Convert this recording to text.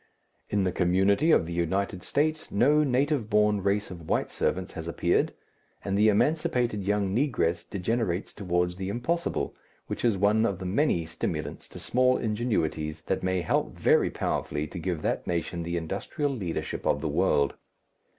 In the community of the United States no native born race of white servants has appeared, and the emancipated young negress degenerates towards the impossible which is one of the many stimulants to small ingenuities that may help very powerfully to give that nation the industrial leadership of the world.